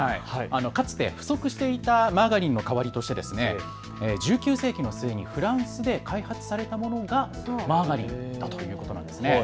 かつて不足していたバターの代わりとして１９世紀末にフランスで開発されたのがマーガリンだということなんです。